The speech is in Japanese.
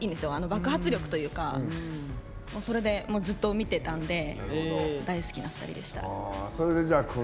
爆発力というかそれでずっと見てたんで大好きな２人でした。